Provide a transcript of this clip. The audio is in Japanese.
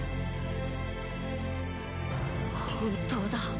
本当だ！